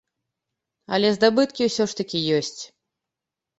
Але здабыткі усё ж такі ёсць.